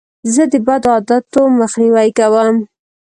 زه د بدو عادتو مخنیوی کوم.